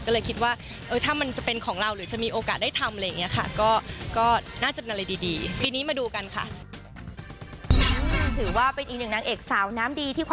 ก็เลยคิดว่าถ้ามันจะเป็นของเราหรือจะมีโอกาสได้ทำอะไรอย่างนี้ค่ะ